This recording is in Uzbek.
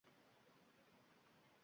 Obihayot namidan.